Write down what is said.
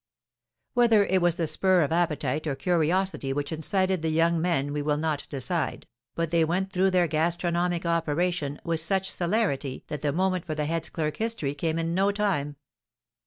Whether it was the spur of appetite or curiosity which incited the young men we will not decide, but they went through their gastronomic operation with such celerity that the moment for the head clerk's history came in no time.